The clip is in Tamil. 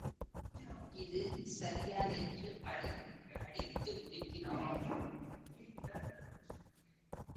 இது சரியா? என்று, அடித்து நொறுக்கினான்.